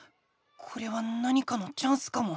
これは何かのチャンスかも。